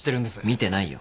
見てないよ。